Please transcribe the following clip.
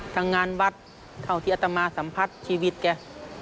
ทำงานวัดเท่าที่อัตมาสัมผัสชีวิตแก